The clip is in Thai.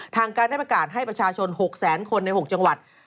ทางการได้ประกาศให้ประชาชน๖แสนคนใน๖จังหวัด